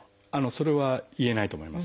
それは言えないと思います。